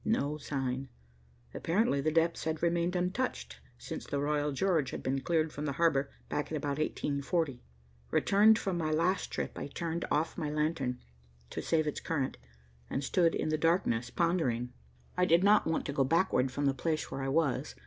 No sign. Apparently the depths had remained untouched since the Royal George had been cleared from the harbor, back about 1840. Returned from my last trip, I turned off my lantern, to save its current, and stood in the darkness pondering. I did not want to go backward from the place where I was.